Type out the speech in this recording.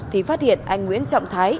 thì phát hiện anh nguyễn trọng thái